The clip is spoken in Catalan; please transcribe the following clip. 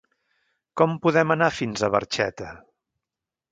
Com podem anar fins a Barxeta?